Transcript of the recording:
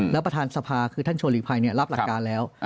แล้วประธานสภาคือท่านชวนหลีกภัยรับหลักการแล้ว